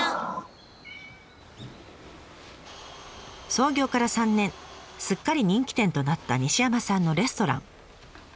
創業から３年すっかり人気店となった西山さんのレストラン。